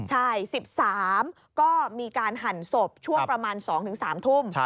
ใช่๑๓ก็มีการหั่นศพช่วงประมาณ๒๓ทุ่ม